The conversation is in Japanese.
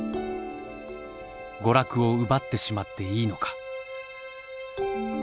「娯楽を奪ってしまっていいのか！」